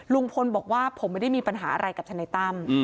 ลุงพลบอกว่าผมไม่ได้มีปัญหาอะไรกับทนายตั้ม